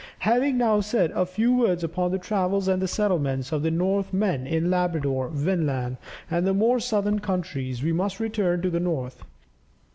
Having now said a few words upon the travels and settlements of the Northmen in Labrador, Vinland, and the more southern countries, we must return to the north.